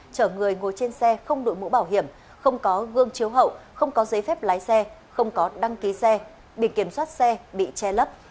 chở người ngồi trên xe không đội mũ bảo hiểm không có gương chiếu hậu không có giấy phép lái xe không có đăng ký xe biển kiểm soát xe bị che lấp